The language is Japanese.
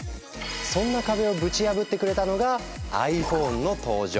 そんな壁をぶち破ってくれたのがｉＰｈｏｎｅの登場。